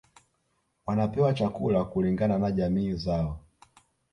Wanapewa chakula kulingana na jamii zao